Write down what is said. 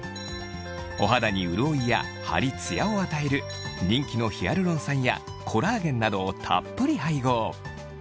お肌に潤いやハリツヤを与える人気のヒアルロン酸やコラーゲンなどをたっぷり配合